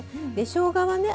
しょうがはね